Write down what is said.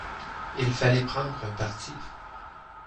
Il fallait prendre un parti.